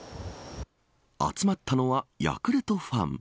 集まったのはヤクルトファン。